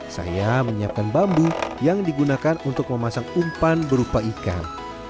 saya menyiapkan bambu yang digunakan untuk memasang umpan berupa ikan